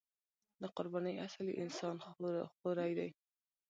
د قربانۍ اصل یې انسان خوري دی.